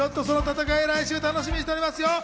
来週楽しみにしておりますよ！